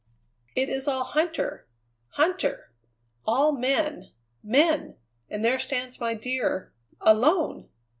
"It is all Huntter! Huntter! All men! men! and there stands my dear alone!